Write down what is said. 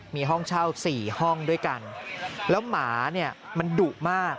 มีห้องเช่า๔ห้องด้วยกันแล้วหมาเนี่ยมันดุมาก